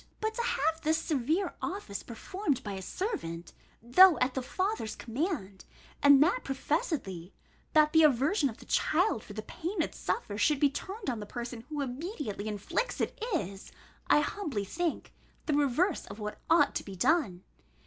But to have this severe office performed by a servant, though at the father's command, and that professedly, that the aversion of the child for the pain it suffers should be turned on the person who immediately inflicts it, is, I humbly think, the reverse of what ought to be done.